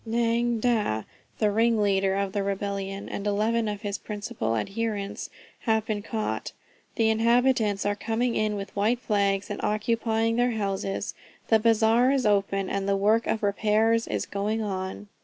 "Nga Dah, the ringleader of the rebellion, and eleven of his principal adherents, have been caught. The inhabitants are coming in with white flags and occupying their houses. The bazaar is open, and the work of repairs is going on.